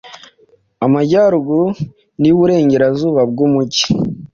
Amajyaruguru nIburengerazuba bwumujyi